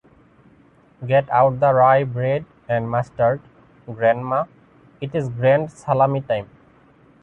Get out the rye bread and mustard, Grandma, it is grand salami time!